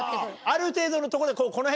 ある程度のとこで。